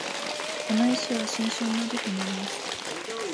この石は新春まで貯めます